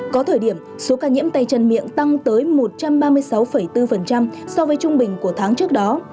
có thời điểm số ca nhiễm tay chân miệng tăng tới một trăm ba mươi sáu bốn so với trung bình của tháng trước đó